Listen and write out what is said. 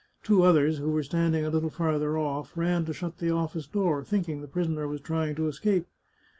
Two others, who were standing a little farther off, ran to shut the office door, thinking the prisoner was trying to escape.